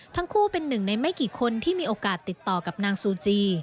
ทั้งคู่เป็นหนึ่งในไม่กี่คนที่มีโอกาสติดต่อกับนางซูจี